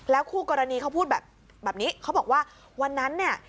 คู่กรณีเขาพูดแบบนี้เขาบอกว่าวันนั้นเนี่ย